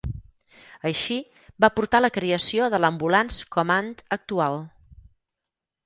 Així, va portar a la creació de l'Ambulance Command actual.